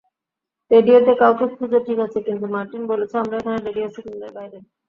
রেডিওতে কাউকে খুঁজ ঠিক আছে, কিন্তু মার্টিন বলেছে আমরা এখানে রেডিও সিগনালের বাইরে।